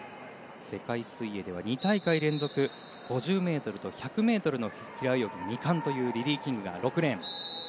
世界水泳では２大会連続５０ｍと１００ｍの平泳ぎ２冠というリリー・キングが６レーン。